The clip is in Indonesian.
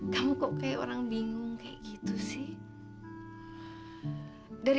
kamu kok kayak orang bingung kayak gitu sih